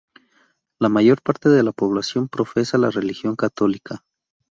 La mayor parte de la población profesa la Religión Católica.